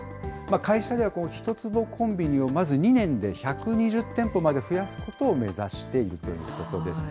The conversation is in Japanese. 会社ではひと坪コンビニをまず２年で１２０店舗まで増やすことを目指しているということです。